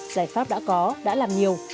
giải pháp đã có đã làm nhiều